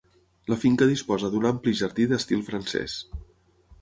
La finca disposa d'un ampli jardí d'estil francès.